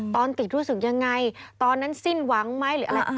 ตอนติดรู้สึกยังไงตอนนั้นสิ้นหวังไหมหรืออะไร